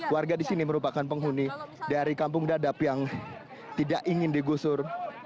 warga di sini merupakan penghuni dari kampung dadap yang tidak ingin digusur